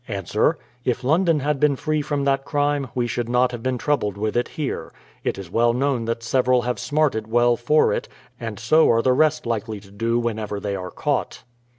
Ans : If London had been free from that crime, we should not have been troubled with it here. It is well known that several have smarted well for it— and so are the rest likely to do whenevej; they are caught.